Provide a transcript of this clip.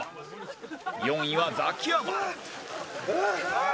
４位はザキヤマ